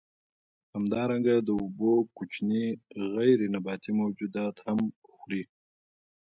همدارنګه د اوبو کوچني غیر نباتي موجودات هم خوري.